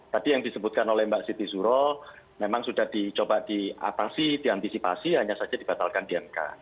tadi yang disebutkan oleh mbak siti zuro memang sudah dicoba diatasi diantisipasi hanya saja dibatalkan di mk